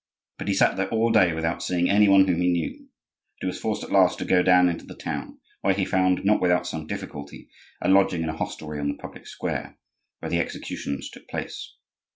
But he sat there all day without seeing any one whom he knew, and was forced at last to go down into the town, where he found, not without some difficulty, a lodging in a hostelry on the public square where the executions took place.